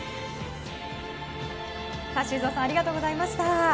修造さんありがとうございました。